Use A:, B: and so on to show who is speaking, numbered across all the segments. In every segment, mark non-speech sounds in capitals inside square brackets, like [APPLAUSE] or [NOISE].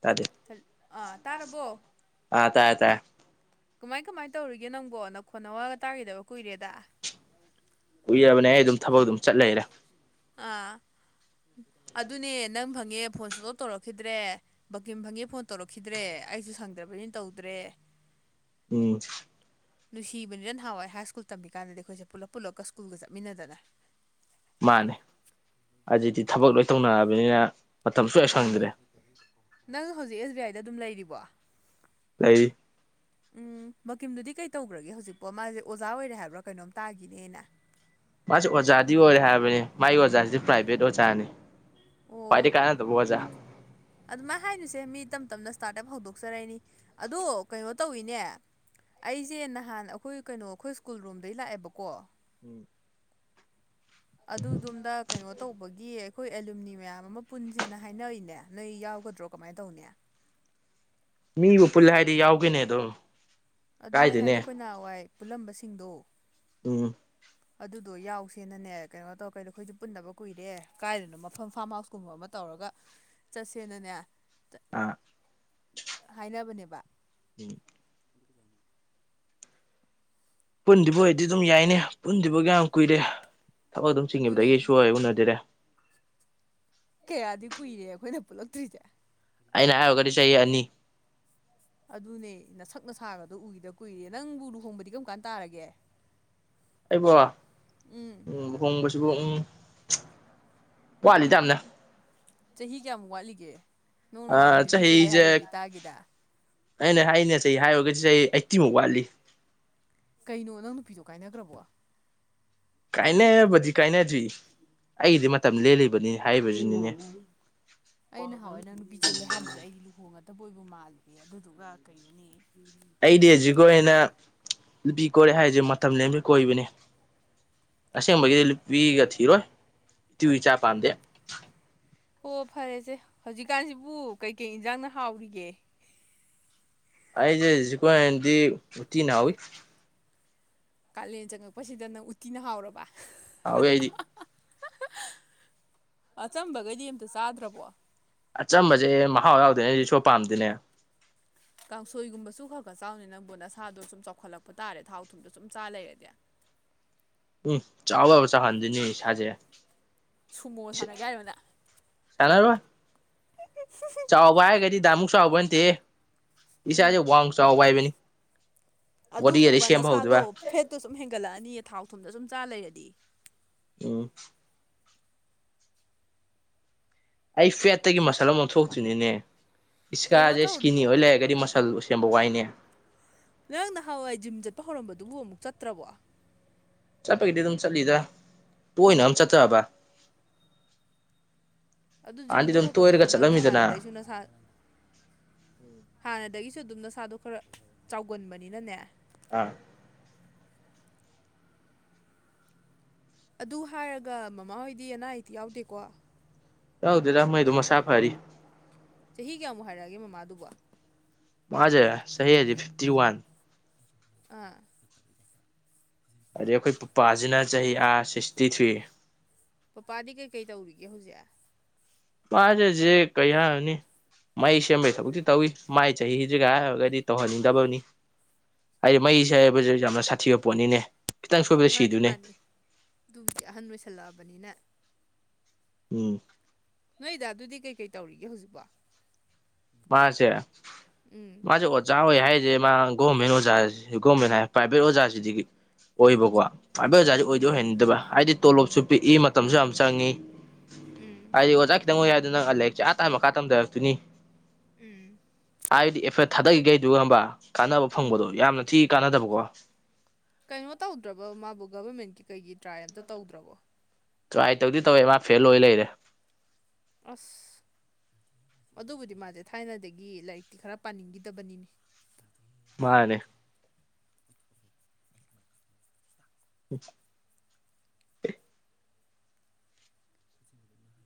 A: ꯇꯥꯗꯦ
B: ꯑꯥ ꯇꯥꯔꯕꯣ
A: ꯑꯥ ꯇꯥꯔꯦ ꯇꯥꯔꯦ
B: ꯀꯃꯥꯏ ꯀꯃꯥꯏ ꯇꯧꯔꯤꯒꯦ ꯅꯪꯕꯣ ꯅꯈꯣꯟ ꯅꯋꯥꯒ ꯇꯥꯈꯤꯗꯕ ꯀꯨꯏꯔꯦꯗ
A: ꯎꯏꯔꯕꯅꯦ ꯑꯩ ꯑꯗꯨꯝ ꯊꯕꯛ ꯑꯗꯨꯝ ꯆꯠ ꯂꯩꯔꯦ
B: ꯑꯥ ꯑꯗꯨꯅꯦ ꯅꯪ ꯐꯪꯉꯦ ꯐꯣꯟ ꯁꯨꯡꯇꯧ ꯇꯧꯔꯛꯈꯤꯗ꯭ꯔꯦ ꯕꯀꯤꯝ ꯐꯪꯉꯦ ꯐꯣꯟ ꯇꯧꯔꯛꯈꯤꯗ꯭ꯔꯦ ꯑꯩꯁꯨ ꯁꯪꯗ꯭ꯔꯕꯅꯤꯅ ꯇꯧꯗ꯭ꯔꯦ
A: ꯎꯝ
B: ꯅꯨꯡꯁꯤꯕꯅꯤꯅꯦ ꯅꯍꯥꯟꯋꯥꯏ ꯍꯥꯏ ꯁ꯭ꯀꯜ ꯇꯝꯃꯤ ꯀꯥꯟꯗꯗꯤ ꯑꯩꯈꯣꯏꯁꯦ ꯄꯨꯂꯞ ꯄꯨꯂꯞꯒ ꯁ꯭ꯀꯨꯜꯒ ꯆꯠꯃꯤꯟꯅꯗꯅ
A: ꯃꯥꯅꯤ ꯍꯧꯖꯤꯛꯇꯤ ꯊꯕꯛ ꯂꯣꯏ ꯇꯧꯅꯔꯕꯅꯤꯅ ꯃꯇꯝ ꯁꯨꯡꯁꯪ
B: ꯃꯥꯅꯦ
A: ꯁꯪꯗ꯭ꯔꯦ
B: ꯅꯪ ꯍꯧꯖꯤꯛ ꯑꯦꯁ ꯕꯤ ꯑꯥꯏꯗ ꯑꯗꯨꯝ ꯂꯩꯔꯤꯕꯣ
A: ꯂꯩꯔꯤ
B: ꯎꯝ ꯕꯀꯤꯝꯗꯨꯗꯤ ꯀꯩ ꯇꯧꯈ꯭ꯔꯒꯦ ꯍꯧꯖꯤꯛꯄꯣ ꯃꯥꯁꯦ ꯑꯣꯖꯥ ꯑꯣꯏꯔꯦ ꯍꯥꯏꯕ꯭ꯔꯥ ꯀꯩꯅꯣꯝ ꯇꯥꯈꯤꯅꯦ ꯑꯩꯅ
A: ꯃꯥꯁꯨ ꯑꯣꯖꯥꯗꯤ ꯑꯣꯏꯔꯦ ꯍꯥꯏꯕꯅꯦ ꯃꯥꯒꯤ ꯑꯣꯖꯥꯁꯤꯗꯤ ꯄ꯭ꯔꯥꯏꯚꯦꯠ ꯑꯣꯖꯥꯅꯦ ꯈ꯭ꯋꯥꯏꯗꯩ ꯀꯥꯅꯗꯕ ꯑꯣꯖꯥ
B: ꯑꯗꯨꯃꯥꯏ ꯍꯥꯏꯅꯨꯁꯦ ꯃꯤ ꯇꯞ ꯇꯞꯅ ꯁ꯭ꯇꯥꯔꯠ ꯑꯞ ꯍꯧꯗꯣꯛꯆꯔꯛꯏꯅꯤ ꯑꯗꯣ ꯀꯩꯅꯣ ꯇꯧꯋꯤꯅꯦ ꯑꯩꯁꯦ ꯅꯍꯥꯟ ꯑꯩꯈꯣꯏ ꯀꯩꯅꯣ ꯑꯩꯈꯣꯏ ꯁ꯭ꯀꯨꯜ ꯔꯣꯝꯗꯩ ꯂꯥꯛꯑꯦꯕꯀꯣ
A: ꯎꯝ
B: ꯑꯗꯨ ꯗꯨꯝꯗ ꯀꯩꯅꯣ ꯇꯧꯕꯒꯤ ꯑꯩꯈꯣꯏ ꯑꯦꯂꯨꯃꯤꯅꯤ ꯃꯌꯥꯝ ꯑꯃ ꯄꯨꯟꯁꯦꯅ ꯍꯥꯏꯅꯩꯅꯦ ꯅꯣꯏ ꯌꯥꯎꯒꯗ꯭ꯔꯣ ꯀꯃꯥꯏ ꯇꯧꯅꯤ
A: ꯃꯤꯕꯨ ꯄꯨꯜꯂꯦ ꯍꯥꯏꯗꯤ ꯌꯥꯎꯒꯦꯅꯦ ꯑꯗꯨꯝ
B: ꯑꯗꯨꯅꯦ
A: ꯀꯥꯏꯗꯦꯅꯦ
B: ꯍꯥꯏꯗꯤ ꯑꯩꯈꯣꯏ ꯅꯍꯥꯟꯋꯥꯏ ꯄꯨꯜꯂꯝꯕꯁꯤꯡꯗꯣ
A: ꯎꯝ
B: ꯑꯗꯨꯗꯣ ꯌꯥꯎꯁꯦꯅꯅꯦ ꯀꯩꯅꯣ ꯇꯧꯔ ꯀꯩꯗꯣ ꯑꯩꯈꯣꯏꯁꯨ ꯄꯨꯟꯗꯕ ꯀꯨꯏꯔꯦ ꯀꯥꯏꯗꯅꯣ ꯃꯐꯝ ꯐꯥꯝ ꯍꯥꯎꯁꯀꯨꯝꯕ ꯑꯃ ꯇꯧꯔꯒ ꯆꯠꯁꯦꯅꯅꯦ
A: ꯑꯥ
B: ꯍꯥꯏꯅꯕꯅꯦꯕ
A: ꯎꯝ ꯄꯨꯟꯗꯤꯕꯨ ꯑꯣꯏꯗꯤ ꯑꯗꯨꯝ ꯌꯥꯏꯅꯦ ꯄꯨꯟꯗꯕꯒ ꯌꯥꯝ ꯀꯨꯏꯔꯦ ꯊꯕꯛ ꯑꯗꯨꯝ ꯆꯤꯡꯒꯤꯕꯗꯒꯤ
B: ꯑꯗꯨꯅꯦ
A: ꯁꯨꯡ ꯎꯟ ꯍꯦꯛ ꯎꯅꯈꯤꯗ꯭ꯔꯦ
B: ꯀꯌꯥꯗꯤ ꯀꯨꯏꯔꯦ ꯑꯩꯈꯣꯏꯅ ꯄꯨꯜꯂꯛꯇ꯭ꯔꯤꯁꯦ
A: ꯑꯩꯅ ꯍꯥꯏꯔꯣꯒꯗꯤ ꯆꯍꯤ ꯑꯅꯤ
B: ꯑꯗꯨꯅꯦ ꯅꯁꯛ ꯅꯁꯥꯒꯗꯣ ꯎꯈꯤꯗ ꯀꯨꯏꯔꯦ ꯅꯪꯕꯨ ꯂꯨꯍꯣꯡꯕꯗꯤ ꯀꯔꯝ ꯀꯥꯟ ꯇꯥꯔꯒꯦ
A: ꯑꯩꯕꯣ ꯎꯝ ꯂꯨꯍꯣꯡꯕꯁꯤꯕꯨ ꯎꯝ ꯋꯥꯠꯂꯤꯗ ꯌꯥꯝꯅ
B: ꯆꯍꯤ ꯀꯌꯥꯃꯨꯛ ꯋꯥꯠꯂꯤꯒꯦ ꯅꯪ ꯅꯍꯥꯟꯋꯥꯏ
A: ꯑꯥ
B: ꯅꯨꯄꯤ ꯆꯦꯜꯂꯦ ꯍꯥꯏꯕ
A: ꯆꯍꯤꯁꯦ
B: ꯑꯃꯗꯤ ꯇꯥꯒꯤꯗ
A: ꯑꯩꯅ ꯍꯥꯏꯅꯦ ꯆꯍꯤ ꯍꯥꯏꯔꯨꯔꯒꯗꯤ ꯆꯍꯤ ꯑꯩꯠꯇꯤꯃꯨꯛ ꯋꯥꯠꯂꯤ
B: ꯀꯩꯅꯣ ꯅꯪ ꯅꯨꯄꯤꯗꯣ ꯀꯥꯏꯅꯈ꯭ꯔꯕꯣ
A: ꯀꯥꯏꯅꯔꯕꯗꯤ ꯀꯥꯏꯅꯗ꯭ꯔꯤ ꯑꯩꯒꯤꯗꯤ ꯃꯇꯝ ꯂꯦꯜꯂꯤꯕꯅꯤ ꯍꯥꯏꯔꯤꯕꯁꯤꯅꯤꯅꯦ
B: ꯑꯩ ꯅꯍꯥꯟꯋꯥꯏ ꯅꯪ ꯅꯨꯄꯤ ꯆꯦꯜꯂꯦ ꯍꯥꯏꯕꯗꯨꯗ ꯑꯩꯗꯤ ꯂꯨꯍꯣꯡꯉꯗꯣꯏꯕꯕꯨ ꯃꯥꯜꯂꯤꯅꯦ ꯑꯗꯨꯗꯨꯒ ꯀꯩꯅꯣꯅꯦ
A: ꯑꯩꯗꯤ ꯍꯧꯖꯤꯛ ꯀꯣꯏꯔꯦꯅ ꯅꯨꯄꯤ ꯀꯣꯏꯔꯦ ꯍꯥꯏꯁꯦ ꯃꯇꯝ ꯂꯦꯟꯕꯩ ꯀꯣꯏꯕꯅꯦ ꯑꯁꯦꯡꯕꯒꯤꯗꯤ ꯅꯨꯄꯤꯒ ꯊꯤꯔꯣꯏ ꯏꯇꯨ ꯏꯆꯥ ꯄꯥꯝꯗꯦ
B: ꯑꯣ ꯐꯔꯦꯁꯦ ꯍꯧꯖꯤꯛꯀꯥꯟꯁꯤꯕꯨ ꯀꯩꯀꯩ ꯏꯟꯖꯥꯡꯅ ꯍꯥꯎꯔꯤꯒꯦ
A: ꯑꯩꯁꯦ ꯍꯧꯖꯤꯛꯀꯤ ꯑꯣꯏꯅꯗꯤ ꯎꯇꯤꯅ ꯍꯥꯎꯏ
B: ꯀꯥꯂꯦꯟ ꯆꯪꯉꯛꯄꯁꯤꯗ ꯅꯪ ꯎꯇꯤꯅ ꯍꯥꯎꯔꯕ
A: ꯍꯧꯋꯦ ꯑꯩꯗꯤ
B: ꯑꯆꯝꯕꯒꯩꯗꯤ ꯑꯝꯇ ꯆꯥꯗ꯭ꯔꯕꯣ
A: ꯑꯆꯝꯕꯁꯦ ꯃꯍꯥꯎ ꯌꯥꯎꯗꯦꯅꯦ ꯑꯩꯗꯤ ꯁꯨꯡꯄꯥꯝ ꯄꯥꯝꯗꯦꯅꯦ
B: ꯀꯥꯡꯁꯣꯏꯒꯨꯝꯕꯁꯨ ꯈꯔ ꯈꯔ ꯆꯥꯎꯅꯦ ꯅꯪꯕꯨ ꯅꯁꯥꯗꯣ ꯁꯨꯝ ꯆꯥꯎꯈꯠꯂꯛꯄ ꯇꯥꯔꯦ ꯊꯥꯎ ꯊꯨꯝꯗ ꯁꯨꯝ ꯆꯥ ꯂꯩꯔꯗꯤ
A: ꯎꯝ ꯆꯥꯎꯅꯕ ꯆꯥꯍꯟꯗꯨꯏꯅꯦ ꯏꯁꯥꯁꯦ
B: ꯁꯨꯃꯣ ꯁꯥꯟꯅꯒꯦ ꯍꯥꯏꯔꯣ ꯅꯪ
A: ꯁꯅꯔꯣꯢ
B: [UNINTELLIGIBLE]
A: ꯆꯥꯎꯕ ꯍꯥꯏꯔꯒꯗꯤ ꯗꯥꯢꯃꯨꯛ ꯆꯥꯎꯕ ꯅꯠꯇꯦꯍꯦ ꯏꯁꯥꯁꯦ
B: ꯎꯝ
A: ꯋꯥꯡ ꯆꯥꯎꯕ ꯍꯥꯏꯕꯅꯤ ꯕꯣꯗꯤꯒꯗꯤ ꯁꯦꯝꯕ ꯍꯧꯗꯣꯏꯕ
B: ꯇꯣ ꯁꯨꯝ ꯍꯦꯟꯒꯠꯂꯛꯑꯅꯤ ꯊꯥꯎ ꯊꯨꯝꯗ ꯁꯨꯝ ꯆꯥ ꯂꯩꯔꯗꯤ
A: ꯎꯝ ꯑꯩ ꯐꯦꯠꯇꯒꯤ ꯃꯁꯜ ꯑꯃꯨꯨꯛ ꯊꯣꯛꯇꯣꯢꯅꯤꯅꯦ
B: ꯀꯩꯅꯣ
A: ꯏꯁꯥꯁꯦ ꯏꯁꯀꯤꯅꯤ
B: ꯇꯧꯔꯤꯕꯣ
A: ꯑꯣꯏ ꯂꯩꯔꯒꯗꯤ ꯃꯁꯜꯗꯤ [UNINTELLIGIBLE] ꯋꯥꯏꯅꯦ
B: ꯅꯪ ꯅꯍꯥꯟꯋꯥꯏ ꯖꯤꯝ ꯆꯠꯄ ꯍꯧꯔꯝꯕꯗꯨꯕꯨ ꯑꯃꯨꯛ ꯆꯠꯇ꯭ꯔꯕꯣ
A: ꯆꯠꯄꯒꯤꯗꯤ ꯑꯗꯨꯝ ꯆꯠꯂꯤꯗ ꯇꯣꯏꯅ
B: ꯎꯝ
A: ꯑꯗꯨꯝ ꯆꯠꯇꯕ
B: ꯑꯗꯨ
A: ꯍꯥꯟꯅꯗꯤ
B: ꯖꯤꯝꯗꯣ
A: ꯑꯗꯨꯝ
B: ꯈꯔ ꯈꯔ
A: ꯇꯣꯏꯔꯒ
B: ꯆꯠꯂꯣ ꯅꯪꯗꯤ
A: ꯆꯠꯂꯝꯃꯤꯗꯅ
B: ꯍꯥꯟꯅꯗꯩꯁꯨ ꯅꯁꯥ ꯍꯥꯟꯅꯗꯒꯤꯁꯨ ꯑꯗꯨꯝ ꯅꯁꯥꯗꯣ ꯈꯔ ꯆꯥꯎꯒꯟꯕꯅꯤꯅꯅꯦ
A: ꯑꯥ
B: ꯑꯗꯨ ꯍꯥꯏꯔꯒ ꯃꯃꯥꯍꯣꯏꯗꯤ ꯑꯅꯥ ꯑꯌꯦꯛꯇꯤ ꯌꯥꯎꯗꯦꯀꯣ
A: ꯌꯥꯎꯗꯦꯗꯥ ꯃꯣꯢꯗꯨꯝ ꯃꯁꯥ ꯐꯔꯤ
B: ꯆꯍꯤ ꯀꯌꯥꯃꯨꯛ ꯍꯥꯏꯔꯛꯑꯒꯦ ꯃꯃꯥꯗꯨꯕꯣ
A: ꯃꯥꯁꯦ ꯆꯍꯤ ꯍꯧꯖꯤꯛ ꯐꯤꯞꯇꯤ ꯋꯥꯟ
B: ꯑꯥ
A: ꯑꯗꯩ ꯑꯩꯈꯣꯏ ꯄꯨꯄꯥꯁꯤꯅ ꯆꯍꯤ ꯑꯥ ꯁꯤꯛꯁꯇꯤ ꯊ꯭ꯔꯤ
B: ꯄꯄꯥꯗꯤ ꯀꯩꯀꯩ ꯇꯧꯔꯤꯒꯦ ꯍꯧꯖꯤꯛ
A: ꯃꯥꯖꯦ ꯍꯧꯖꯤꯛ ꯀꯩ ꯍꯥꯢꯔꯨꯅꯤ ꯃꯩ ꯁꯦꯝꯕꯒꯤ ꯊꯕꯛꯇꯤ ꯇꯧꯏ ꯃꯥꯏ ꯆꯍꯤꯖꯤꯒꯥꯏ ꯍꯥꯏꯔꯒꯗꯤ ꯇꯧꯍꯟꯅꯤꯡꯗꯕꯅꯤ ꯍꯥꯏꯗꯤ ꯃꯩꯁꯦ ꯍꯥꯏꯕꯁꯤ ꯌꯥꯝꯅ ꯁꯥꯊꯤꯕ ꯄꯣꯠꯅꯤꯅꯦ ꯈꯤꯇꯪ ꯁꯣꯏꯕꯗ
B: ꯃꯥꯅꯤ
A: ꯁꯤꯗꯨꯅꯦ
B: ꯃꯥꯅꯤ ꯑꯗꯨꯕꯨꯗꯤ ꯑꯍꯟ ꯑꯣꯏꯁꯜꯂꯛꯑꯕꯅꯤꯅ
A: ꯎꯝ
B: ꯅꯣꯏ ꯗꯥꯗꯨꯗꯤ ꯀꯩꯀꯩ ꯇꯧꯔꯤꯒꯦ ꯍꯧꯖꯤꯛꯄꯣ
A: ꯃꯥꯁꯦ
B: ꯎꯝ
A: ꯃꯥꯁꯦ ꯑꯣꯖꯥ ꯑꯣꯖꯥ ꯍꯣꯏ ꯍꯥꯏꯔꯤꯁꯦ ꯃꯥ ꯒꯣꯔꯃꯦꯟ ꯑꯣꯖꯥ ꯒꯣꯔꯃꯦꯟ ꯍꯥꯏ ꯄ꯭ꯔꯥꯏꯕꯦꯠ ꯑꯣꯖꯥꯁꯤꯗꯤ ꯑꯣꯏꯕꯀꯣ ꯄ꯭ꯔꯥꯢꯕꯦꯠ ꯑꯣꯖꯥꯁꯤ ꯑꯣꯏꯗꯤ
B: ꯎꯝ
A: ꯑꯣꯢꯍꯟꯅꯤꯡꯗꯕ ꯍꯥꯏꯗꯤ ꯇꯣꯂꯣꯞꯁꯨ ꯄꯤꯛꯏ ꯃꯇꯝꯁꯨ ꯌꯥꯝ ꯆꯪꯉꯤ
B: ꯎꯝ
A: ꯍꯥꯏꯗꯤ ꯑꯣꯖꯥ ꯈꯤꯇꯪ ꯑꯣꯏ ꯍꯥꯏꯗꯨꯅ ꯂꯥꯢꯔꯤꯛꯁꯦ ꯑꯥ ꯇꯅꯥ ꯃꯈꯥ ꯇꯝꯗꯔꯛꯇꯨꯢꯅꯤ
B: ꯎꯝ
A: ꯍꯥꯏꯗꯤ ꯑꯦꯐꯦꯠ ꯊꯥꯗꯈꯤꯒꯩꯗꯨꯒ ꯈꯪꯕ꯭ꯔꯥ ꯀꯥꯟꯅꯕ ꯐꯪꯕꯗꯣ
B: ꯎꯝ
A: ꯌꯥꯝꯅ ꯊꯤ ꯀꯥꯟꯅꯗꯕꯀꯣ
B: ꯀꯩꯅꯣ ꯇꯧꯗ꯭ꯔꯕꯥ ꯃꯥꯕꯨ ꯀꯕꯥꯔꯃꯦꯟꯀꯤ ꯀꯩꯒꯤ ꯇ꯭ꯔꯥꯏ ꯑꯝꯇ ꯇꯧꯗ꯭ꯔꯕꯣ
A: ꯇ꯭ꯔꯥꯏ ꯇꯧꯗꯤ ꯇꯧꯋꯦ ꯃꯥ ꯐꯦꯜ ꯑꯣꯏ ꯂꯩꯔꯦ
B: ꯑꯁ ꯑꯗꯨꯕꯨꯗꯤ ꯃꯥꯁꯦ ꯊꯥꯏꯅꯗꯒꯤ ꯂꯥꯏꯔꯤꯛꯇꯤ ꯈꯔ ꯄꯥꯅꯤꯡꯒꯤꯗꯕꯅꯤꯅꯦ
A: ꯃꯥꯅꯦ [INAUDIBLE]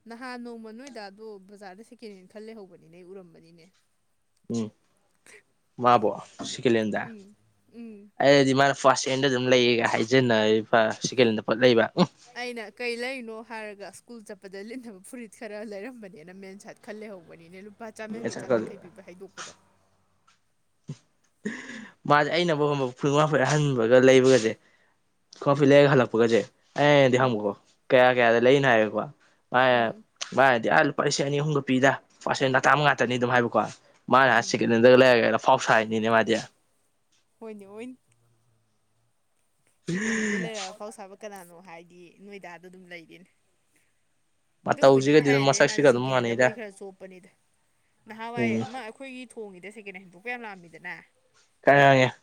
B: ꯅꯍꯥꯟ ꯅꯣꯡꯃ ꯅꯣꯏ ꯗꯥꯗꯣ ꯕꯖꯥꯔꯗ ꯁꯦꯀꯦꯟ ꯍꯦꯟ ꯈꯜ ꯂꯩꯍꯧꯕꯅꯤꯅꯦ ꯑꯩ ꯎꯔꯝꯕꯅꯤꯅꯦ
A: ꯎꯝ
B: [INAUDIBLE]
A: ꯃꯥꯕꯣ ꯁꯦꯀꯦꯂꯦꯟꯗ
B: ꯎꯝ ꯎꯝ
A: ꯑꯩꯅꯗꯤ ꯃꯥꯅ ꯐꯥꯔꯁ ꯍꯦꯟꯗ ꯑꯗꯨꯝ ꯂꯩꯒ ꯍꯥꯏꯖꯟꯅꯩꯕ ꯁꯦꯀꯦꯟ ꯍꯦꯟꯗ ꯄꯣꯠ ꯂꯩꯕ ꯎꯝ
B: ꯑꯩꯅ ꯀꯩ ꯂꯩꯔꯤꯅꯣ ꯍꯥꯏꯔꯒ ꯁ꯭ꯀꯨꯜ ꯆꯠꯄꯗ ꯂꯤꯠꯅꯕ ꯐꯨꯔꯤꯠ ꯈꯔ ꯂꯩꯔꯝꯕꯅꯤꯅ ꯃꯦꯟ ꯁꯥꯏꯠ ꯈꯜ ꯂꯩꯍꯧꯕꯅꯤꯅꯦ ꯂꯄꯥ ꯆꯝꯌꯥꯡꯈꯩ ꯆꯥꯝꯌꯥꯡꯈꯩ ꯄꯤꯕ ꯍꯥꯏꯗꯣꯛꯄꯗꯣ
A: ꯃꯥꯁꯦ ꯑꯩꯅ ꯕꯥꯎ ꯈꯪꯒꯥꯎ ꯐꯨꯔꯤꯠ ꯑꯍꯟꯕꯒ ꯂꯩꯕꯒꯁꯦ ꯈꯣꯒꯥꯎ ꯐꯨꯔꯤꯠ ꯂꯩꯔꯒ ꯍꯜꯂꯛꯄꯒꯁꯦ ꯑꯩꯅꯗꯤ
B: ꯎꯝ
A: ꯍꯪꯉꯀꯣ ꯀꯌꯥ ꯀꯌꯥꯗ ꯂꯩꯅꯣ ꯍꯥꯏꯕꯦꯀꯣ ꯃꯥꯅ
B: ꯎꯝ
A: ꯃꯥꯅꯗꯤ ꯑꯥ ꯂꯨꯄꯥ ꯂꯤꯁꯤꯡ ꯑꯅꯤ ꯑꯍꯨꯝꯒ ꯄꯤꯗ ꯄꯥꯔꯍꯦꯟ ꯑꯇꯥꯡꯕ ꯉꯥꯛꯇꯅꯤ ꯑꯗꯨꯝ ꯍꯥꯏꯕꯀꯣ ꯃꯥꯅ ꯑꯥ
B: ꯎꯝ
A: ꯁꯦꯀꯦꯍꯦꯟ ꯗꯒ ꯂꯩꯒ ꯑꯐꯥꯎꯁ ꯁꯥꯔꯤꯅꯤꯅꯦ ꯃꯥꯗꯤ
B: ꯍꯣꯏꯅꯦ ꯍꫭꯏꯅꯦ ꯁꯦꯀꯦꯟ ꯍꯦꯟꯗꯩ ꯂꯩꯔꯒ ꯑꯐꯥꯎ ꯁꯥꯕ ꯀꯅꯥꯅꯣ ꯍꯥꯏꯗꯤ ꯅꯣꯏ ꯗꯥꯗꯨ ꯑꯗꯨꯝ ꯂꯩꯔꯦꯅꯦ ꯑꯗꯨꯕꯨꯗꯤ
A: ꯃꯇꯧꯁꯤꯒꯗꯤ ꯑꯗꯨꯝ
B: ꯊꯥꯏꯅꯦꯟꯗꯩ ꯃꯥꯁꯦ
A: ꯃꯁꯛꯁꯤꯒ ꯑꯗꯨꯝ
B: ꯁꯦꯀꯦꯟ ꯍꯦꯟꯗꯕꯨꯗꯤ
A: ꯃꯥꯟꯅꯩꯗ
B: ꯈꯔ ꯆꯣꯞꯄꯅꯤꯗ ꯅꯍꯥꯟꯋꯥꯏ
A: ꯎꯝ
B: ꯑꯃ ꯑꯩꯈꯣꯏꯒꯤ ꯊꯣꯡꯉꯤꯗ ꯁꯦꯀꯦꯟ ꯍꯦꯟ ꯍꯩꯗꯣꯛꯄ ꯌꯥꯝ ꯂꯥꯝꯑꯝꯃꯤꯗꯅ
A: ꯀꯔꯥꯏꯉꯦ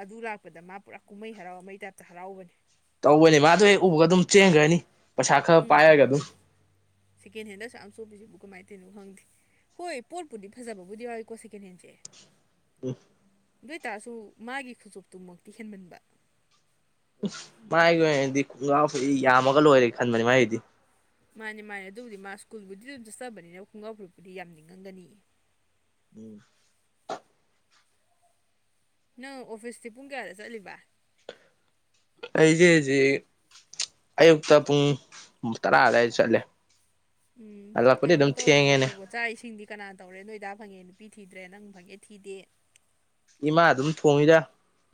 B: ꯑꯗꯨ ꯂꯥꯛꯄꯗ ꯃꯥ ꯄꯨꯔꯥ ꯀꯨꯝꯍꯩ ꯍꯔꯥꯎ ꯑꯃꯩ ꯇꯥꯏꯞꯇ ꯍꯔꯥꯎꯕꯅꯤ
A: ꯇꯧꯕꯅꯤ ꯃꯥ ꯑꯗꯨ ꯍꯦꯛ ꯎꯕꯒ ꯑꯗꯨꯝ ꯆꯦꯟꯒ꯭ꯔꯅꯤ ꯄꯩꯁꯥ ꯈꯔ
B: ꯎꯝ
A: ꯄꯥꯏꯔꯒ ꯑꯗꯨꯝ
B: ꯁꯦꯀꯦꯟ ꯍꯦꯟꯗ ꯑꯁꯨꯛ ꯌꯥꯝ ꯆꯣꯄꯤꯁꯤꯕꯨ ꯀꯃꯥꯏ ꯇꯧꯔꯤꯅꯣ ꯈꯪꯗꯦ ꯍꯣꯏ ꯄꯣꯠꯄꯨꯗꯤ ꯐꯥꯖꯕꯕꯨꯗꯤ ꯌꯥꯎꯋꯏꯀꯣ ꯁꯦꯀꯦꯟ ꯍꯦꯟꯁꯦ
A: ꯑꯝ
B: ꯑꯣꯏꯇꯥꯔꯁꯨ ꯃꯥꯒꯤ ꯈꯨꯆꯣꯞꯇꯨꯃꯛꯇꯤ ꯍꯦꯟꯃꯟꯕ
A: ꯃꯥꯏꯒꯤ ꯑꯣꯏꯅꯗꯤ ꯈꯣꯡꯒ꯭ꯔꯥꯎ ꯐꯤ ꯌꯥꯝꯃꯒ ꯂꯣꯏꯔꯦ ꯈꯟꯕꯅꯤ ꯃꯥꯏꯒꯤꯗꯤ
B: ꯃꯥꯅꯦ ꯃꯥꯅꯦ ꯑꯗꯨꯕꯨꯗꯤ ꯃꯥ ꯁ꯭ꯀꯨꯜꯕꯨꯗꯤ ꯑꯗꯨꯝ ꯆꯠꯆꯕꯅꯤꯅ ꯈꯨꯡꯒ꯭ꯔꯥꯎ ꯐꯨꯔꯤꯠꯄꯨꯗꯤ ꯌꯥꯝꯅꯤꯡꯉꯝꯒꯅꯤ
A: ꯎꯝ
B: ꯅꯪ ꯑꯣꯐꯤꯁꯇꯤ ꯄꯨꯡ ꯀꯌꯥꯗ ꯆꯠꯂꯤꯕ
A: ꯑꯩꯁꯦ ꯍꯧꯖꯤꯛ ꯑꯌꯨꯛꯇ ꯄꯨꯡ ꯇꯔꯥ ꯑꯗꯨꯋꯥꯏꯗ ꯆꯠꯂꯦ
B: ꯎꯝ
A: ꯍꯜꯂꯛꯄꯗꯤ
B: ꯀꯩꯅꯣ
A: ꯑꯗꯨꯝ
B: ꯇꯧꯔꯤꯕꯣ
A: ꯊꯦꯡꯉꯦꯅꯦ
B: ꯅꯣꯏꯕꯣ ꯆꯥꯛ ꯏꯁꯤꯡꯗꯤ ꯀꯅꯥ ꯇꯧꯔꯦ ꯅꯣꯏꯗꯥ ꯐꯪꯉꯦ ꯅꯨꯄꯤ ꯊꯤꯗ꯭ꯔꯦ ꯅꯪ ꯐꯪꯉꯦ ꯊꯤꯗꯦ
A: ꯏꯃꯥ ꯑꯗꯨꯝ ꯊꯣꯡꯉꯤꯗ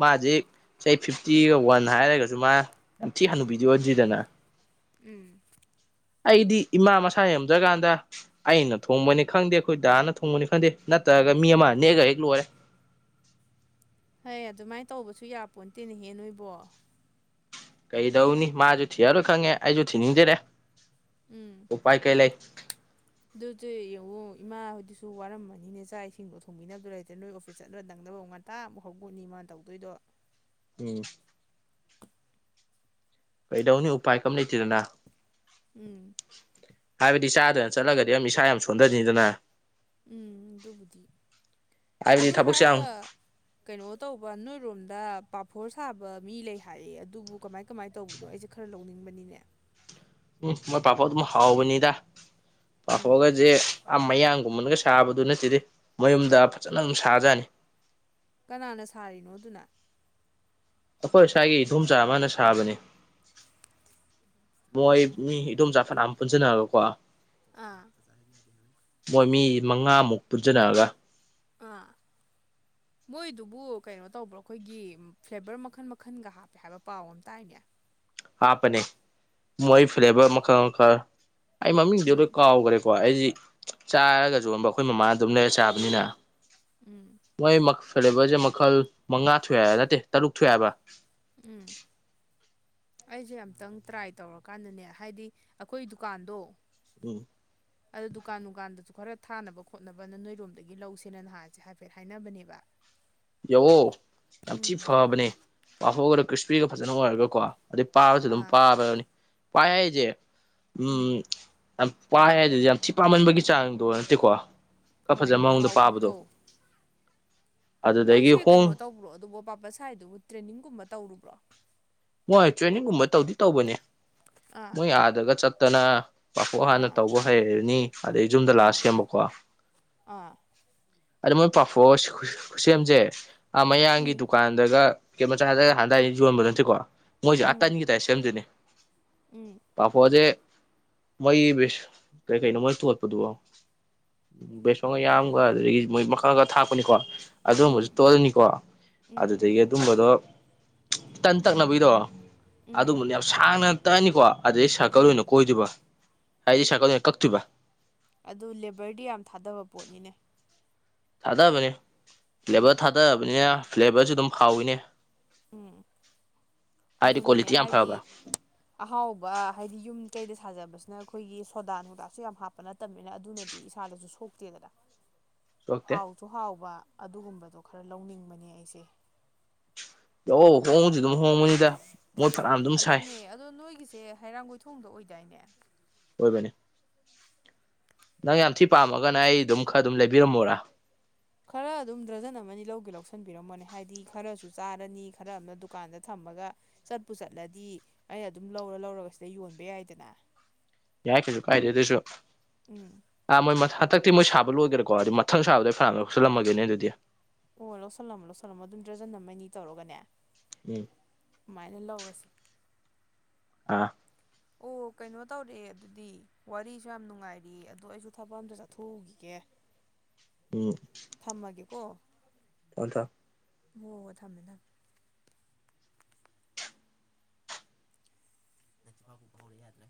A: ꯃꯥ ꯍꯧꯖꯤꯛ ꯆꯍꯤ ꯐꯤꯐꯇꯤꯒ ꯋꯥꯟ ꯍꯥꯏꯔꯒꯁꯨ ꯃꯥ ꯌꯥꯝ ꯊꯤ
B: ꯎꯝ
A: ꯍꯥꯅꯨꯕꯤꯗꯤ ꯑꯣꯟꯗ꯭ꯔꯤꯗꯅ
B: ꯎꯝ
A: ꯑꯩꯗꯤ ꯏꯃꯥ ꯃꯁꯥ ꯉꯝꯗ꯭ꯔ ꯀꯥꯟꯗ ꯑꯩꯅ ꯊꯣꯡꯕꯅꯤ ꯈꯪꯗꯦ ꯑꯩꯈꯣꯏ ꯗꯥꯅ ꯊꯣꯡꯕꯅꯤ ꯈꯪꯗꯦ ꯅꯠꯇ꯭ꯔꯒ ꯃꯤ ꯑꯃ ꯅꯦꯛꯑꯒ ꯍꯦꯛ ꯂꯣꯏꯔꯦ
B: ꯍꯩ ꯑꯗꯨꯃꯥꯏꯟ ꯇꯧꯕꯁꯨ ꯌꯥꯄꯣꯟꯠꯇꯦꯅꯦ ꯍꯦ ꯅꯣꯏꯕꯣ
A: ꯀꯩꯗꯧꯅꯤ ꯃꯥꯁꯨ ꯊꯤꯔꯔꯣꯏ ꯈꯪꯉꯦ ꯑꯩꯁꯨ ꯊꯤꯅꯤꯡꯗꯔꯦ
B: ꯎꯝ
A: ꯎꯄꯥꯥꯏ ꯀꯩ ꯂꯩ
B: ꯑꯗꯨꯗꯤ ꯌꯦꯡꯉꯣ ꯏꯃꯥ ꯍꯣꯏꯗꯨꯁꯨ ꯋꯥꯔꯝꯃꯅꯤꯅꯦ ꯆꯥꯛ ꯏꯁꯤꯡꯗꯣ ꯊꯣꯡꯕꯤꯅꯕꯗꯨ ꯂꯩꯇ꯭ꯔꯦ ꯅꯣꯏ ꯑꯣꯐꯤꯁ ꯆꯠꯂ ꯅꯪꯅꯕ ꯉꯟ ꯇꯥ ꯑꯃꯨꯛ ꯍꯧꯒꯠꯅꯤ ꯃꯥ ꯇꯧꯗꯣꯏꯗꯣ
A: ꯎꯝ ꯀꯩꯗꯧꯅꯤ ꯎꯄꯥꯏ ꯀꯤꯝ ꯂꯩꯇꯦꯗꯅ
B: ꯎꯝ
A: ꯍꯥꯏꯕꯗꯤ ꯆꯥꯗꯅ ꯆꯠꯂꯒꯗꯤ ꯑꯝ ꯏꯁꯥ ꯌꯥꯝ ꯁꯣꯟꯗꯅꯤꯗꯅ
B: ꯎꯝ ꯑꯗꯨꯕꯨꯗꯤ
A: ꯍꯥꯏꯕꯗꯤ
B: ꯑꯗꯨ
A: ꯊꯕꯛꯁꯦ
B: ꯍꯥꯏꯔꯒ
A: ꯌꯥꯝ
B: ꯀꯩꯅꯣ ꯇꯧꯕ ꯅꯣꯏꯔꯣꯝꯗ ꯄꯥꯐꯣꯔ ꯁꯥꯕ ꯃꯤ ꯂꯩ ꯍꯥꯏꯌꯦ ꯑꯗꯨꯕꯨ ꯀꯃꯥꯏ ꯀꯃꯥꯏꯅ ꯇꯧꯕꯗꯣ ꯑꯩꯁꯦ ꯈꯔ ꯂꯧꯅꯤꯡꯕꯅꯤꯅꯦ
A: ꯎꯝ ꯃꯣꯏ ꯄꯥꯐꯣꯔ ꯑꯗꯨꯝ ꯍꯥꯎꯕꯅꯤꯗ
B: ꯎꯝ
A: ꯄꯥꯐꯣꯔꯒꯁꯦ ꯑ ꯃꯌꯥꯡꯒꯨꯝꯕꯅꯒ ꯁꯥꯕꯗꯨ ꯅꯠꯇꯦꯗꯤ ꯃꯌꯨꯝꯗ ꯐꯖꯅ ꯑꯗꯨꯝ ꯁꯥꯖꯥꯅꯤ
B: ꯀꯅꯥꯅ ꯁꯥꯔꯤꯅꯣ ꯑꯗꯨꯅ
A: ꯑꯈꯣꯏ ꯁ꯭ꯋꯥꯏꯒꯤ ꯏꯗꯣꯝꯆꯥ ꯑꯃꯅ ꯁꯥꯕꯅꯤ ꯃꯣꯏ ꯃꯤ ꯏꯗꯣꯝꯆꯥ ꯐꯟꯅꯥꯝ ꯄꯨꯟꯁꯤꯟꯅꯔꯒꯀꯣ
B: ꯑꯥ
A: ꯃꯣꯏ ꯃꯤ ꯃꯉꯥꯃꯨꯛ ꯄꯨꯟꯖꯟꯅꯔꯒ
B: ꯑꯥ
A: [INAUDIBLE]
B: ꯃꯣꯏꯗꯨꯕꯨ ꯀꯩꯅꯣ ꯇꯧꯕ꯭ꯔꯣꯑꯩꯈꯣꯏꯒꯤ ꯐ꯭ꯂꯦꯕꯔ ꯃꯈꯟ ꯃꯈꯟꯒ ꯍꯥꯞꯄꯦ ꯍꯥꯏꯕ ꯄꯥꯎ ꯑꯃ ꯇꯥꯏꯅꯦ
A: ꯍꯥꯞꯄꯅꯦ ꯃꯣꯏ ꯐ꯭ꯂꯦꯕꯔ ꯃꯈꯜ ꯃꯈꯜ ꯑꯩ ꯃꯃꯤꯡꯗꯤ ꯂꯣꯏ
B: ꯎꯝ
A: ꯀꯥꯎꯒꯔꯦ ꯍꯣꯏ ꯑꯩꯁꯤ ꯆꯥꯔꯒ ꯌꯣꯟꯕ ꯑꯈꯣꯏ ꯃꯃꯥ ꯑꯗꯨꯝ ꯂꯩꯔ ꯆꯥꯕꯅꯤꯅ
B: ꯎꯝ
A: ꯃꯣꯏ ꯃꯛ ꯐꯂꯦꯕꯔꯁꯦ ꯃꯈꯜ ꯃꯉꯥ ꯊꯣꯛꯑꯦ ꯍꯥꯏꯕ ꯅꯠꯇꯦ ꯇꯔꯨꯛ ꯊꯣꯛꯑꯦ ꯍꯥꯏꯕ
B: ꯎꯝ ꯑꯩꯁꯦ ꯑꯝꯇꯪ ꯇ꯭ꯔꯥꯏ ꯇꯧꯔꯀꯥꯟꯗꯅꯦ ꯍꯥꯏꯗꯤ ꯑꯩꯈꯣꯏ ꯗꯨꯀꯥꯟꯗꯣ
A: ꯎꯝ
B: ꯑꯗꯨ ꯗꯨꯀꯥꯟ ꯗꯨꯀꯥꯟꯗꯁꯨ ꯈꯔ ꯊꯥꯅꯕ ꯈꯣꯠꯅꯕꯅ ꯅꯣꯏꯔꯣꯝꯗꯒꯤ ꯂꯧꯁꯦꯅ ꯅꯍꯥꯟꯁꯦ ꯍꯥꯏꯐꯦꯠ ꯍꯥꯏꯅꯕꯅꯦꯕ
A: ꯌꯥꯑꯣ ꯌꯥꯝ ꯊꯤ
B: ꯎꯝ
A: ꯐꯕꯅꯦ ꯄꯥꯐꯣꯒꯗꯣ ꯈ꯭ꯔꯤꯁꯄꯤꯒ ꯐꯖꯟꯅ ꯑꯣꯏꯔꯒꯀꯣ ꯑꯩ ꯄꯥꯕꯁꯨ ꯑꯗꯨꯝ
B: ꯑꯥ
A: ꯄꯥꯕꯅꯤ ꯄꯥꯏ ꯍꯥꯏꯁꯦ ꯎꯝ ꯌꯥꯝ ꯄꯥꯏ ꯍꯥꯏꯗꯨꯗꯤ ꯌꯥꯝ ꯊꯤ ꯄꯥꯝꯃꯟꯕꯒꯤ ꯆꯥꯡꯗꯣ ꯅꯠꯇꯦꯀꯣ ꯈ
B: ꯍꯣꯏ
A: ꯐꯖꯕ ꯃꯑꯣꯡꯗ ꯄꯥꯕꯗꯣ
B: ꯍꯥꯎꯕꯒꯤꯗꯣ
A: ꯑꯗꯨꯗꯒꯤ
B: ꯃꯣꯏꯁꯦ ꯀꯩꯅꯣ
A: ꯍꯣꯡ
B: ꯇꯧꯕ꯭ꯔꯣ ꯑꯗꯨꯕꯨ ꯄꯥꯄꯠ ꯁꯥꯏꯗꯨꯕꯨ ꯇ꯭ꯔꯦꯅꯤꯡꯒꯨꯝꯕ ꯇꯧꯔꯨꯕ꯭ꯔꯣ
A: ꯃꯣꯏ ꯇ꯭ꯔꯦꯅꯤꯡꯒꯨꯝꯕ ꯇꯧꯗꯤ ꯇꯧꯕꯅꯦ
B: ꯑꯥ
A: ꯃꯣꯏ ꯑꯥꯗꯒ ꯆꯠꯇꯅ ꯄꯥꯐꯣꯔ ꯍꯥꯟꯅ
B: ꯑꯥ
A: ꯇꯧꯕ ꯍꯩꯔꯅꯤ ꯑꯗꯩ ꯌꯨꯝꯗ ꯂꯥꯛꯑ
B: ꯑꯥ
A: ꯁꯦꯝꯕꯀꯣ
B: ꯑꯥ
A: ꯑꯗ ꯃꯣꯏ ꯄꯥꯐꯣꯔ ꯈꯨꯠꯁꯦꯝꯁꯦ ꯑꯥ ꯃꯌꯥꯡꯒꯤ
B: ꯎꯝ
A: ꯗꯨꯀꯥꯟꯗꯒ ꯀꯦ ꯃꯆꯥ ꯗꯒ ꯍꯥꯟꯗꯥꯏ ꯌꯣꯟꯕ ꯅꯠꯇꯦꯀꯣ ꯃꯣꯏꯁꯦ ꯑꯥ
B: ꯎꯝ
A: ꯇꯟꯒꯤ ꯇꯥꯏ ꯁꯦꯝꯗꯣꯏꯅꯦ
B: ꯎꯝ
A: ꯄꯥꯐꯣꯔꯁꯦ ꯃꯣꯏ ꯕꯤꯁ ꯀꯩ ꯀꯩꯅꯣ ꯃꯣꯏ ꯊꯣꯠꯄꯗꯨꯕꯣ ꯕꯦꯁꯣꯟꯒ ꯌꯥꯝꯒ ꯑꯗꯨꯗꯒꯤ ꯃꯣꯏ ꯃꯈꯜꯒ ꯊꯥꯛꯄꯅꯤꯀꯣ ꯑꯗꯨꯝꯕꯁꯨ
B: ꯎꯝ
A: ꯇꯣꯠꯂꯅꯤꯀꯣ
B: ꯎꯝ
A: ꯑꯗꯨꯗꯒꯤ ꯗꯣ ꯇꯟ ꯇꯛꯅꯕꯒꯤꯗꯣ
B: ꯎꯝ
A: ꯑꯗꯨꯝꯕꯅ ꯌꯥꯝ ꯁꯥꯡꯅ ꯇꯛꯑꯅꯤꯀꯣ ꯑꯗꯩ ꯁꯥꯔꯀꯜ ꯑꯣꯏꯅ
B: ꯎꯝ
A: ꯀꯣꯏꯗꯣꯏꯕ ꯍꯥꯏꯗꯤ ꯁꯥꯔꯀꯜ ꯑꯣꯏꯅ ꯀꯛꯇꯣꯏꯕ
B: ꯑꯗꯨ ꯂꯦꯕꯔꯗꯤ ꯌꯥꯝ ꯊꯥꯗꯕ ꯄꯣꯠꯅꯤꯅꯦ
A: ꯊꯥꯗꯕꯅꯦ ꯂꯦꯕꯔ
B: ꯎꯝ
A: ꯊꯥꯗꯔꯕꯅꯤꯅ ꯂꯦꯕꯔꯁꯨ ꯑꯗꯨꯝ ꯍꯥꯎꯏꯅꯦ
B: ꯎꯝ ꯑꯗꯨꯅꯤꯅꯦ
A: ꯀ꯭ꯋꯥꯂꯤꯇꯤ ꯌꯥꯝ
B: ꯍꯥꯏꯗꯤ
A: ꯐꯕ
B: ꯑꯍꯥꯎꯕ ꯍꯥꯏꯗꯤ ꯌꯨꯝ ꯀꯩꯗ ꯁꯥꯖꯕꯁꯤꯅ ꯑꯩꯈꯣꯏꯒꯤ ꯁꯣꯗꯥ ꯅꯨꯡꯗꯥꯁꯨ ꯌꯥꯝ ꯍꯥꯞꯄ ꯅꯠꯇꯦ ꯅꯠꯇꯝꯅꯤꯅ ꯑꯗꯨꯅꯗꯤ ꯏꯁꯥꯗꯁꯨ ꯁꯣꯛꯇꯦꯗꯅ
A: [INAUDIBLE]
B: ꯍꯥꯎꯁꯨ ꯍꯥꯎꯕ ꯑꯗꯨꯒꯨꯝꯕꯗꯣ ꯈꯔ ꯂꯧꯅꯤꯡꯕꯅꯦ ꯑꯩꯁꯦ
A: ꯑꯧ ꯍꯣꯡꯉꯁꯤ ꯑꯗꯨꯝ ꯍꯣꯡꯕꯅꯤꯗ ꯃꯣ ꯐꯅꯥꯝ
B: ꯑꯗꯨꯅꯦ ꯑꯗꯣ ꯅꯣꯏꯒꯤꯁꯦ ꯍꯩꯔꯥꯡꯒꯣꯏꯊꯣꯡꯗ ꯑꯣꯏꯗꯥꯏꯅꯦ
A: ꯑꯣꯏꯕꯅꯦ ꯅꯪ ꯌꯥꯝ ꯊꯤ ꯄꯥꯝꯃꯒꯅ ꯑꯩ ꯑꯗꯨꯝ ꯈꯔ ꯑꯗꯨꯝ ꯂꯩꯕꯤꯔꯝꯃꯣꯔꯥ
B: ꯈꯔ ꯑꯗꯨꯝ ꯗ꯭ꯔꯖꯟ ꯑꯃꯅꯤ ꯂꯧꯒꯦ ꯂꯧꯁꯤꯟꯕꯤꯔꯝꯃꯣꯅꯦ ꯍꯥꯏꯗꯤ ꯈꯔꯁꯨ ꯆꯥꯔꯅꯤ ꯈꯔ ꯑꯃꯝꯅ ꯗꯨꯀꯥꯟꯗ ꯊꯝꯃꯒ ꯆꯠꯄꯨ ꯆꯠꯂꯗꯤ ꯑꯩ ꯑꯗꯨꯝ ꯂꯧꯔ ꯂꯧꯔꯒ ꯁꯤꯗ ꯌꯣꯟꯕ ꯌꯥꯏꯗꯅꯥ
A: ꯌꯥꯏ ꯀꯩꯁꯨ ꯀꯥꯏꯗꯦ ꯑꯗꯨꯁꯨꯣ
B: ꯎꯝ
A: ꯑꯥ ꯃꯣꯏ ꯃ ꯍꯟꯗꯛꯇꯤ ꯃꯣꯏ ꯁꯥ ꯂꯣꯏꯒ꯭ꯔꯦꯀꯣ ꯑꯗꯨ ꯃꯊꯪ ꯁꯥꯕꯗ ꯐꯩꯅꯥꯝ ꯂꯧꯁꯜꯂꯝꯃꯒꯦꯅꯦ ꯑꯗꯨꯗꯤ
B: ꯑꯣ ꯂꯧꯁꯜꯂꯝꯃꯣ ꯂꯧꯁꯜꯂꯝꯃꯣ ꯑꯗꯨꯝ ꯗ꯭ꯔꯖꯟ ꯑꯝꯃꯅꯤ ꯇꯧꯔꯒꯅꯦ
A: ꯎꯝ
B: ꯁꯨꯃꯥꯏꯅ ꯂꯧꯔꯁꯦ
A: ꯑꯥ
B: ꯑꯣ ꯀꯩꯅꯣ ꯇꯧꯔꯛꯑꯦ ꯑꯗꯨꯗꯤ ꯋꯥꯔꯤꯁꯨ ꯌꯥꯝ ꯅꯨꯡꯉꯥꯏꯔꯤ ꯑꯗꯣ ꯑꯩꯁꯨ ꯊꯕꯛ ꯑꯝꯇ ꯆꯠꯊꯣꯛꯎꯈꯤꯒꯦ
A: ꯎꯠꯁ
B: ꯊꯝꯃꯒꯦꯀꯣ
A: ꯑꯠꯇ
B: ꯃꯣ ꯊꯝꯃꯦ ꯊꯝꯃꯦ ꯑꯅꯤꯃꯛ ꯄꯛꯎ ꯌꯥꯗ꯭ꯔꯦ